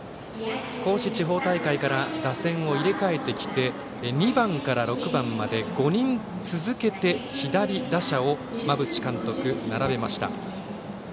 少し地方大会から打線を入れ替えてきて２番から６番まで５人続けて左打者を馬淵監督は並べました。